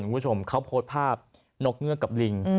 คุณผู้ชมเขาโพสต์ภาพนกเงือกกับลิง